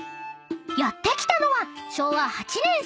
［やって来たのは昭和８年創業